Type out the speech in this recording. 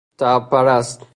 طبع پرست